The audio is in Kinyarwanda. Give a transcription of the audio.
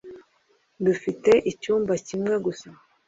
Dufite icyumba kimwe gusa;